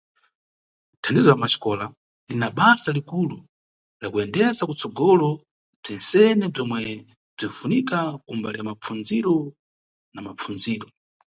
Thandizo la Maxikola lina basa likulu la kuyendesa kutsogolo bzentsene bzomwe bzinʼfunika kumbali ya mapfundzisiro na mapfundziro.